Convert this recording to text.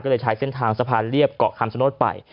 ก็เลยใช้เส้นทางสะพานเรียบเกาะคำชโนธไป